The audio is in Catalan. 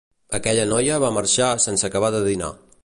Aquella noia va marxar sense acabar de dinar